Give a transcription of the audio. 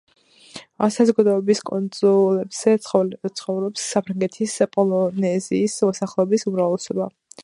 საზოგადოების კუნძულებზე ცხოვრობს საფრანგეთის პოლინეზიის მოსახლეობის უმრავლესობა.